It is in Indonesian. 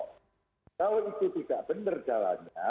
kalau itu tidak benar jalannya